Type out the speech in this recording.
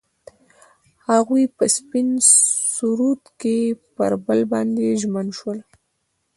هغوی په سپین سرود کې پر بل باندې ژمن شول.